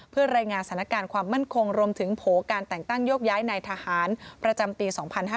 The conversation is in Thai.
เพื่อรายงานสถานการณ์ความมั่นคงรวมถึงโผล่การแต่งตั้งโยกย้ายนายทหารประจำปี๒๕๕๙